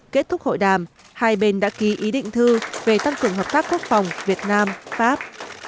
kết thúc hội đàm hai bên đã ký ý định thư về tăng cường hợp tác quốc phòng việt nam pháp